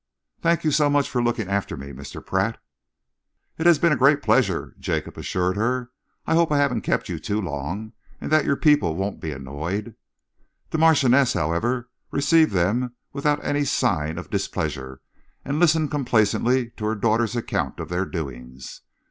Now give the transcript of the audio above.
Thank you so much for looking after me, Mr. Pratt." "It has been a great pleasure," Jacob assured her. "I hope I haven't kept you too long, and that your people won't be annoyed." The Marchioness, however, received them without any sign of displeasure and listened complacently to her daughter's account of their doings.